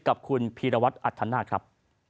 กับคุณพีรวัตรอัธนาคครับ